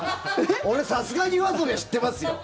俺、さすがにＹＯＡＳＯＢＩは知ってますよ。